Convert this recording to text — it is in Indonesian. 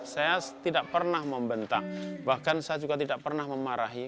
saya tidak pernah membentak bahkan saya juga tidak pernah memarahi